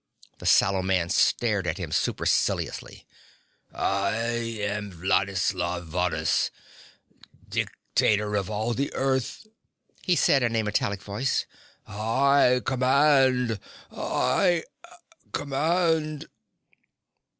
The sallow man stared at him superciliously. "I am Wladislaw Varrhus, dictator of all the earth," he said in a metallic voice. "I command I command."